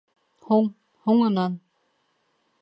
Һуң, һуңынан